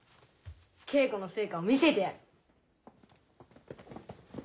稽古の成果を見せてやる。